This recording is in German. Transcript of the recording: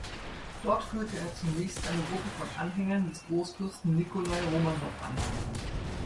Dort führte er zunächst eine Gruppe von Anhängern des Großfürsten Nikolai Romanow an.